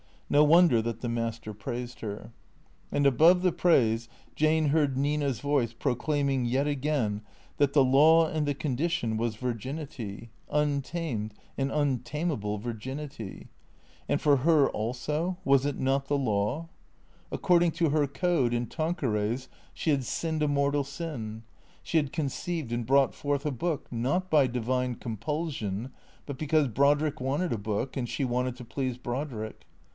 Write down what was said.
No wonder that the Master praised her. And above the praise Jane heard Nina's voice proclaiming yet again that the law and the condition was virginity, untamed and untamable virginity. And for her, also, was it not the law? THECEEATORS 287 According to her code and Tanqueray's she had sinned a mortal sin. She had conceived and brought forth a book, not by divine compulsion, but because Brodrick wanted a book and she wanted to please Brodrick.